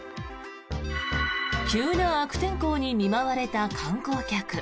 急な悪天候に見舞われた観光客。